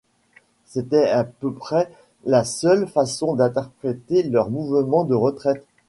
C’était à peu près la seule façon d’interpréter leur mouvement de retraite